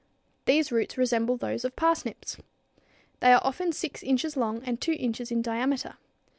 These roots resemble those of parsnips. They are often 6 inches long and 2 inches in diameter.